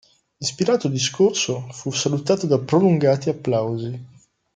L'ispirato discorso fu salutato da prolungati applausi.